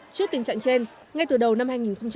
trước tình trạng trên ngay từ đầu năm hai nghìn một mươi chín